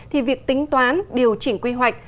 thì việc tính toán điều chỉnh quy hoạch